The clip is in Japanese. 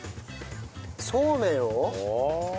そうめんを。